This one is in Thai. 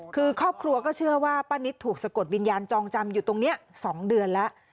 คือครอบครัวก็เชื่อว่าป้านิตถูกสะกดวิญญาณจองจำอยู่ตรงนี้๒เดือนแล้ว